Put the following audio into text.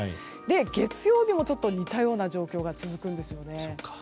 月曜日も似たような状況が続くんですね。